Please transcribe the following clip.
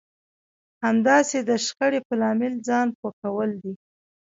همداسې د شخړې په لامل ځان پوه کول دي.